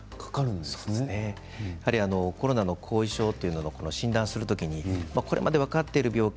コロナの後遺症というのを診断する時にこれまで分かっている病気